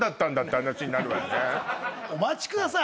お待ちください。